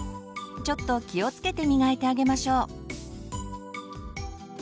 ちょっと気をつけてみがいてあげましょう。